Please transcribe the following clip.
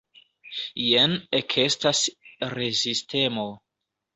Jen ekestas rezistemo.